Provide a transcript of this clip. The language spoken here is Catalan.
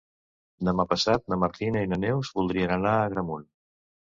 Demà passat na Martina i na Neus voldrien anar a Agramunt.